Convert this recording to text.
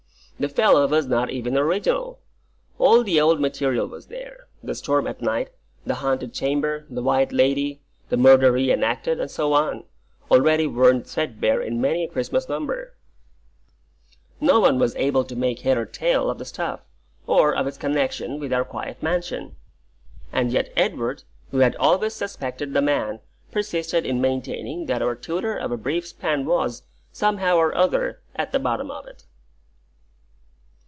The fellow was not even original. All the old material was there, the storm at night, the haunted chamber, the white lady, the murder re enacted, and so on, already worn threadbare in many a Christmas Number. No one was able to make head or tail of the stuff, or of its connexion with our quiet mansion; and yet Edward, who had always suspected the man, persisted in maintaining that our tutor of a brief span was, somehow or other, at the bottom of it.